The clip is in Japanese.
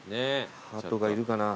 ハトがいるかな？